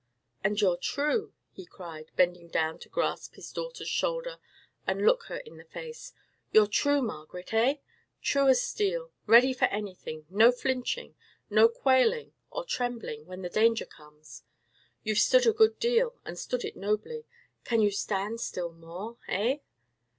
"And you're true," he cried, bending down to grasp his daughter's shoulder and look her in the face, "you're true, Margaret, eh?—true as steel; ready for anything, no flinching, no quailing or trembling when the danger comes. You've stood a good deal, and stood it nobly. Can you stand still more, eh?"